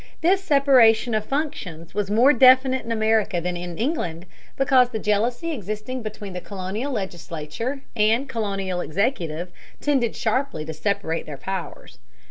This separation of functions was more definite in America than in England because the jealousy existing between colonial legislature and colonial executive tended sharply to separate their powers.